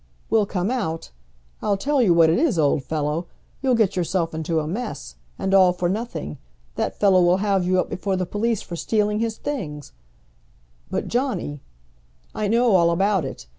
"Will come out! I'll tell you what it is, old fellow, you'll get yourself into a mess, and all for nothing. That fellow will have you up before the police for stealing his things " "But, Johnny " "I know all about it.